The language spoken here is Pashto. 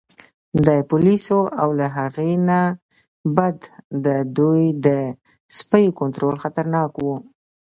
د پولیسو او له هغې نه بد د دوی د سپیو کنترول خطرناک و.